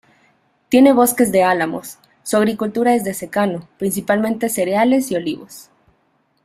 Tiene bosques de álamos, su agricultura es de secano, principalmente cereales y olivos.